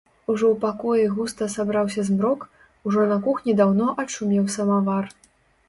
Ужо ў пакоі густа сабраўся змрок, ужо на кухні даўно адшумеў самавар.